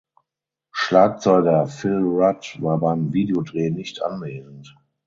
Schlagzeuger Phil Rudd war beim Videodreh nicht anwesend.